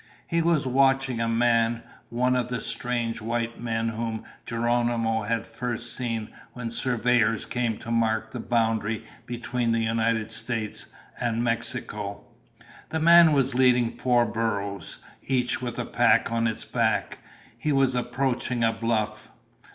He was watching a man, one of the strange white men whom Geronimo had first seen when surveyors came to mark the boundary between the United States and Mexico. The man was leading four burros, each with a pack on its back. He was approaching a bluff.